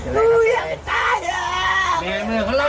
เร็วขึ้นมา